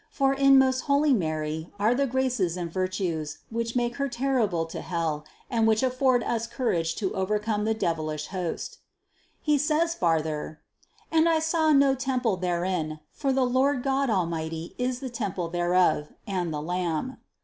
For in most holy Mary are the graces and vir tues, which make Her terrible to hell and which afford us courage to overcome the devilish host. 299. He says farther: "And I saw no temple therein. For the Lord God Almighty is the temple thereof, and the Lamb."